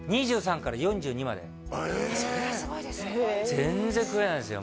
へえ全然食えないですよ